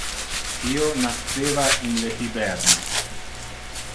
Io nasceva in le hiberno.